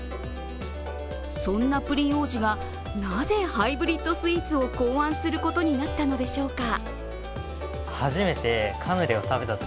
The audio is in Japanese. そんなプリン王子が、なぜハイブリッドスイーツを考案することになったのでしょうか。